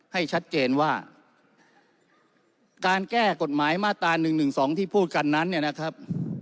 ให้ชัดเจนว่าการแก้กฎหมายมาตรา๑๑๒ที่พูดกันนั้นเนี่ยนะครับ